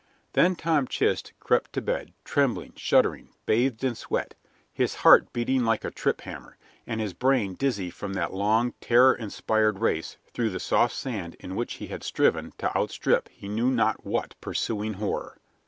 IV Then Tom Chist crept to bed, trembling, shuddering, bathed in sweat, his heart beating like a trip hammer, and his brain dizzy from that long, terror inspired race through the soft sand in which he had striven to outstrip he knew not what pursuing horror.